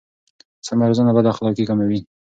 سمه روزنه بد اخلاقي کموي.